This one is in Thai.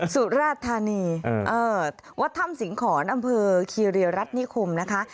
สุรราชธานีเอ่อวัดธรรมสิงห์ขอนอำเภอคีเรียรัฐนิคมนะคะ